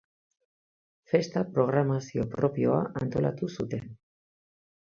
Festa programazio propioa antolatu zuten.